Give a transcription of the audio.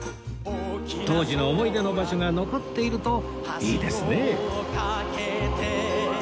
当時の思い出の場所が残っているといいですね